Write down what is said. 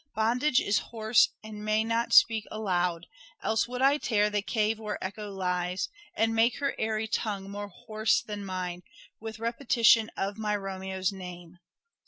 Bondage is hoarse and may not speak aloud, Else would I tear the cave where Echo lies And make her airy tongue more hoarse than mine With repetition of my Romeo's name."